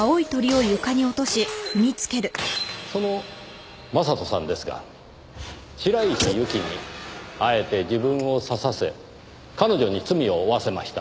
その将人さんですが白石由紀にあえて自分を刺させ彼女に罪を負わせました。